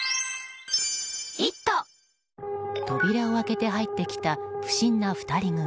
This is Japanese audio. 扉を開けて入ってきた不審な２人組。